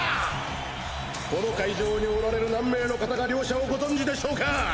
この会場におられる何名の方が両者をご存じでしょうか。